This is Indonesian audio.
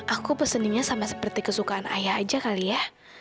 aku peseninnya sama seperti kesukaan ayah aja kali ya